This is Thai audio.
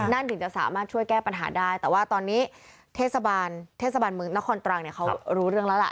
นั่นถึงจะสามารถช่วยแก้ปัญหาได้แต่ว่าตอนนี้เทศบาลเทศบาลเมืองนครตรังเนี่ยเขารู้เรื่องแล้วล่ะ